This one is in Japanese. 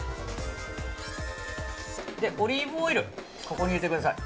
オリーブオイルここに入れてください。